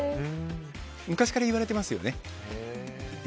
昔から言われてますよね。